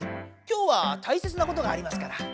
今日は大切なことがありますから。